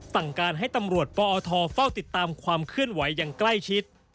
สั่งการให้ตำรวจปอทเฝ้าติดตามความเคลื่อนไหวอย่างใกล้ชิด